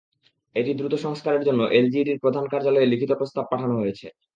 এটি দ্রুত সংস্কারের জন্য এলজিইডির প্রধান কার্যালয়ে লিখিত প্রস্তাব পাঠানো হয়েছে।